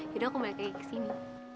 yaudah aku balik lagi kesini